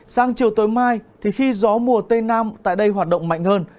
sang chiều tối mai thì khi gió mùa tây nam tại đây hoạt động mạnh hơn